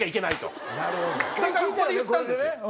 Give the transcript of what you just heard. だからここで言ったんですよ。